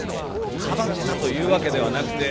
かばったというわけではなくて。